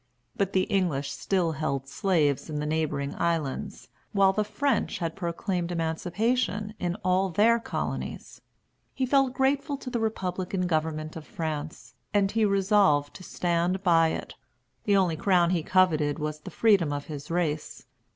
But the English still held slaves in the neighboring islands, while the French had proclaimed emancipation in all their colonies. He felt grateful to the Republican government of France, and he resolved to stand by it. The only crown he coveted was the freedom of his race.